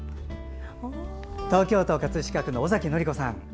東京都葛飾区の尾崎典子さん。